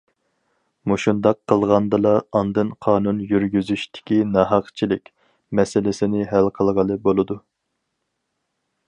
مۇشۇنداق قىلغاندىلا، ئاندىن قانۇن يۈرگۈزۈشتىكى ناھەقچىلىك مەسىلىسىنى ھەل قىلغىلى بولىدۇ.